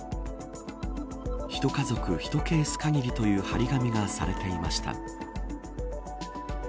１家族１ケース限りという張り紙がされていました。